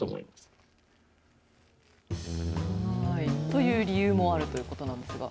という理由もあるということなんですが。